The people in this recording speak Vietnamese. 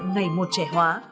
ngày một trẻ hóa